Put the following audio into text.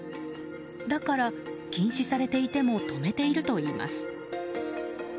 だから禁止されていても止めているといいます。